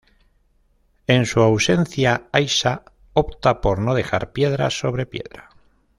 En su ausencia, Aixa opta por no dejar piedra sobre piedra.